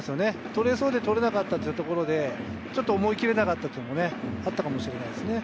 捕れそうで捕れなかったというところで、ちょっと追いきれなかったというのはあったかもしれないですね。